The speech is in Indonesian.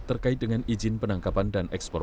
terkait dengan izin penangkapan dan ekspor